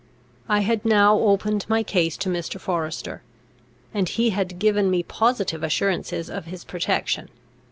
I had now opened my case to Mr. Forester, and he had given me positive assurances of his protection.